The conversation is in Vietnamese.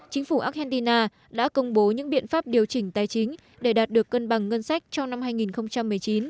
chính phủ argentina đã công bố những biện pháp điều chỉnh tài chính để đạt được cân bằng ngân sách trong năm hai nghìn một mươi chín